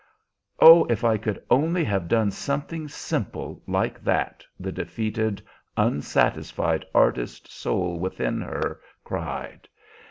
"Oh, if I could only have done something simple like that!" the defeated, unsatisfied artist soul within her cried.